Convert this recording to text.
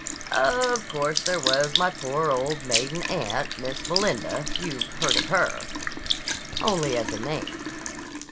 "Of course there was my poor old maiden aunt, Miss Melinda. You've heard of her?" "Only as a name."